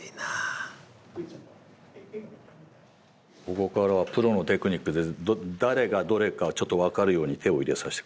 ここからはプロのテクニックで誰がどれか分かるように手を入れさせてください。